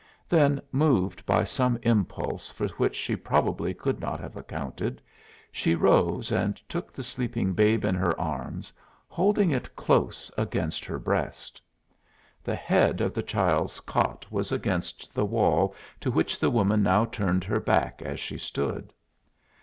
Then, moved by some impulse for which she probably could not have accounted, she rose and took the sleeping babe in her arms, holding it close against her breast. The head of the child's cot was against the wall to which the woman now turned her back as she stood.